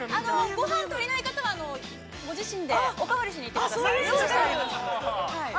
◆ごはん足りない方は、ご自身でおかわりしにいってください。